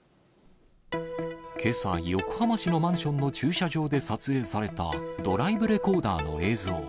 けさ、横浜市のマンションの駐車場で撮影されたドライブレコーダーの映像。